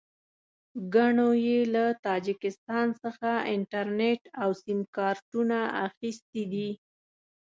ګڼو یې له تاجکستان څخه انټرنېټ او سیم کارټونه اخیستي دي.